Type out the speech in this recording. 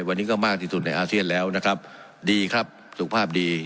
วันนี้ก็มากที่สุดในอาเซียนแล้วนะครับดีครับสุขภาพดี